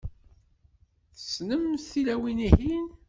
Tessnemt tilawin-ihin?